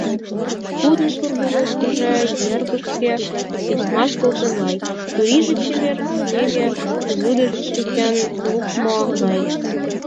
Тудын шӱргывылышыже йыргешке — тичмаш тылзе гай, чурийже чевер — снеге вӱдыш чыкен лукмо гай.